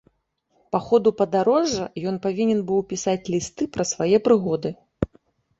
Па ходу падарожжа ён павінен быў пісаць лісты пра свае прыгоды.